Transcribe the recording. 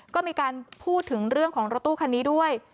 ก็มีการพูดถึงเรื่องของรถตู้คันนี้ด้วย